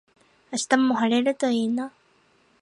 明日も晴れるといいな。